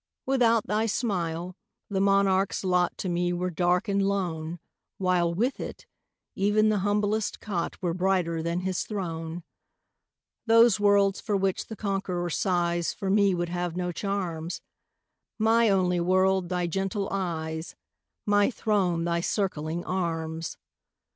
Without thy smile, the monarch's lot To me were dark and lone, While, with it, even the humblest cot Were brighter than his throne. Those worlds for which the conqueror sighs For me would have no charms; My only world thy gentle eyes My throne thy circling arms!